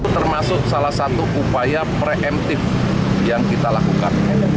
termasuk salah satu upaya pre emptive yang kita lakukan